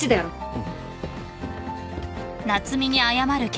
うん。